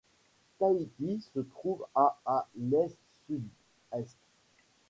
Tahiti se trouve à à l'est-sud-est.